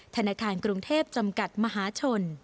ธนาคารกรุงเทพจำกัดมหาชน